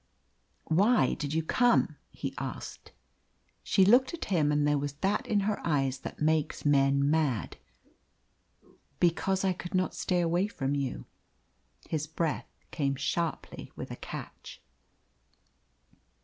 "Why did you come?" he asked. She looked at him, and there was that in her eyes that makes men mad. "Because I could not stay away from you." His breath came sharply with a catch.